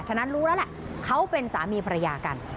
ฉะนั้นรู้แล้วแหละเขาเป็นสามีภรรยากัน